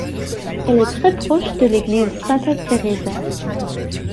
Elle est très proche de l'église Santa Teresa.